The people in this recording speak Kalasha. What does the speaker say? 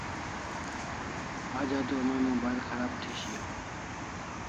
Aj adua may mobile kharab thi shiaw